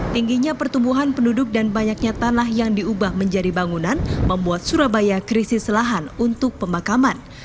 tingginya pertumbuhan penduduk dan banyaknya tanah yang diubah menjadi bangunan membuat surabaya krisis lahan untuk pemakaman